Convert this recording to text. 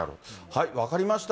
分かりました。